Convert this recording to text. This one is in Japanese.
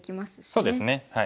そうですね。